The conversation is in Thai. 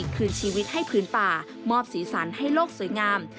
คืนชีวิตให้พื้นป่ามอบสีสันให้โลกสวยงาม